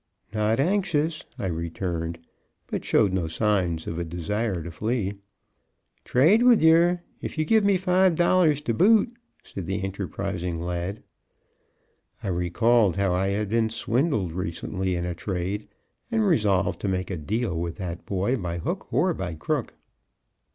"Not anxious," I returned, but showed no signs of a desire to flee. "Trade with yer, if you give me five dollars to boot," said the enterprising lad. I recalled how I had been swindled recently in a trade, and resolved to make a deal with that boy by hook or by crook.